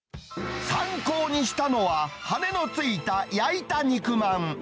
参考にしたのは、羽根の付いた焼いた肉まん。